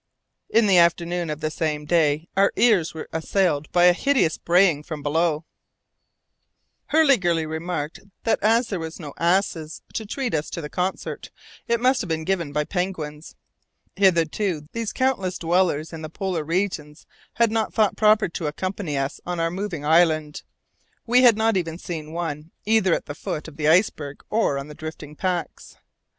In the afternoon of the same day our ears were assailed by a hideous braying from below. Hurliguerly remarked that as there were no asses to treat us to the concert, it must be given by penguins. Hitherto these countless dwellers in the polar regions had not thought proper to accompany us on our moving island; we had not seen even one, either at the foot of the iceberg or on the drifting packs.